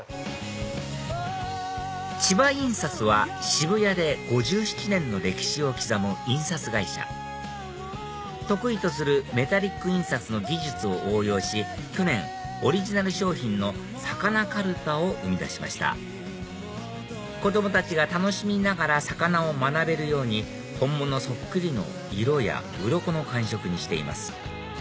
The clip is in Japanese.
千葉印刷は渋谷で５７年の歴史を刻む印刷会社得意とするメタリック印刷の技術を応用し去年オリジナル商品のさかなかるたを生み出しました子供たちが楽しみながら魚を学べるように本物そっくりの色やウロコの感触にしています